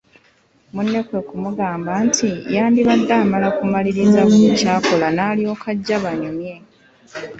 Munne kwe kumugamba nti yandibadde amala kumaliriza buli ky’akola n’alyoka ajja banyumye.